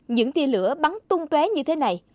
những tiên lửa bắn tung tué như thế nào